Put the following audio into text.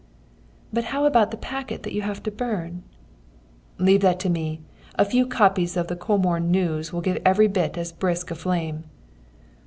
"'But how about the packet that you have to burn?' "'Leave that to me; a few copies of the Comorn News will give every bit as brisk a flame.'